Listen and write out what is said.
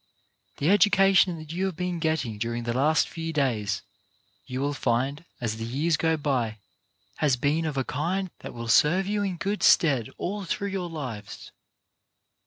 The education that you have been getting during the last few days, you will find, as the years go by, has been of a kind that will serve you in good stead all through your lives.